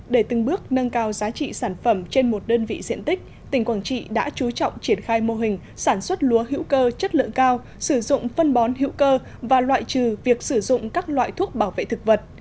để từng bước nâng cao giá trị sản phẩm trên một đơn vị diện tích tỉnh quảng trị đã chú trọng triển khai mô hình sản xuất lúa hữu cơ chất lượng cao sử dụng phân bón hữu cơ và loại trừ việc sử dụng các loại thuốc bảo vệ thực vật